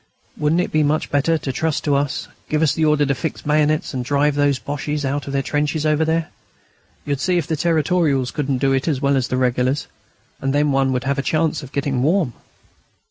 Wouldn't it be much better to trust to us, give us the order to fix bayonets and drive those Boches out of their trenches over there? You'd see if the Territorials couldn't do it as well as the Regulars.... And then one would have a chance of getting warm."